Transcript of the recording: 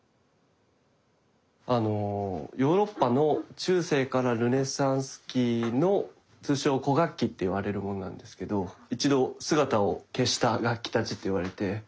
ヨーロッパの中世からルネサンス期の通称「古楽器」って言われるものなんですけど一度姿を消した楽器たちと言われて。